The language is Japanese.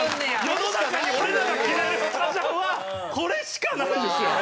世の中に俺らが着られるスタジャンはこれしかないんですよ。